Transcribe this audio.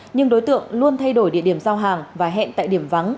nhưng đối tượng luôn thay đổi địa điểm giao hàng và hẹn tại điểm vắng